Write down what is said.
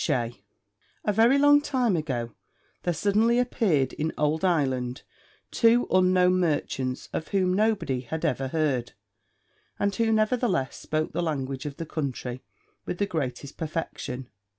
A very long time ago, there suddenly appeared in old Ireland two unknown merchants of whom nobody had ever heard, and who nevertheless spoke the language of the country with the greatest perfection.